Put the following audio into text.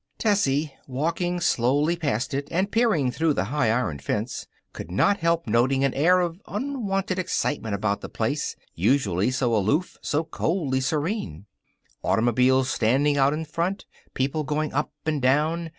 Tessie, walking slowly past it, and peering through the high iron fence, could not help noting an air of unwonted excitement about the place, usually so aloof, so coldly serene. Automobiles standing out in front. People going up and down.